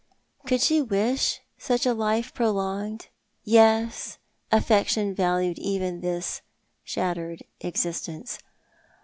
Could she wish such a life prolonged? Yes, aflFection valued even this shattered existence.